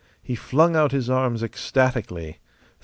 He flung out his arms, ecstatically.